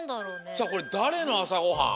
さあこれだれのあさごはん？